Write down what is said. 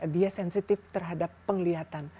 dia sensitif terhadap penglihatan